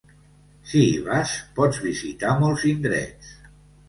Si hi vas, pots visitar molts indrets.